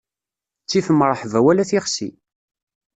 Ttif mṛeḥba wala tixsi.